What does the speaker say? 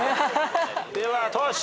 ではトシ。